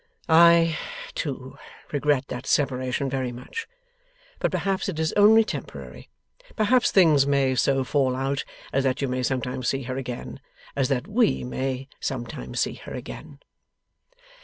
'I, too, regret that separation very much. But perhaps it is only temporary. Perhaps things may so fall out, as that you may sometimes see her again as that we may sometimes see her again.